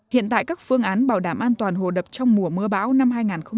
hiện tại các phương án bảo đảm an toàn hồ đập trong mùa mưa bão năm hai nghìn hai mươi